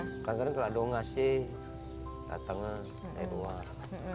kadang kadang ke ladungas sih datangnya dari luar